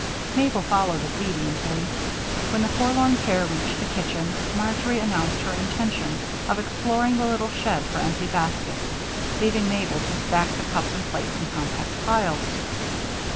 Mabel followed obediently. When the forlorn pair reached the kitchen, Marjory announced her intention of exploring the little shed for empty baskets, leaving Mabel to stack the cups and plates in compact piles.